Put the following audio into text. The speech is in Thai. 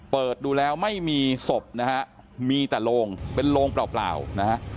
เปิดดูแล้วไม่มีศพนะฮะมีแต่โลงเป็นโลงเปล่านะฮะ